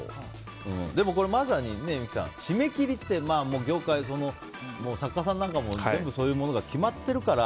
でも、まさに三木さん締め切りって業界、作家さんなんかも全部、そういうの決まってるから。